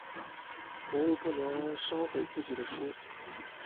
魔物不能烧毁自己的书。